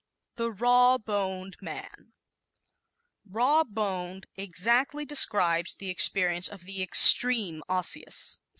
The "Raw Boned" Man ¶ "Raw boned" exactly describes the appearance of the extreme Osseous.